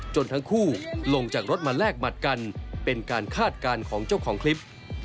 ทั้งคู่ลงจากรถมาแลกหมัดกันเป็นการคาดการณ์ของเจ้าของคลิป